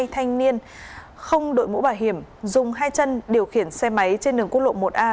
hai thanh niên không đội mũ bảo hiểm dùng hai chân điều khiển xe máy trên đường quốc lộ một a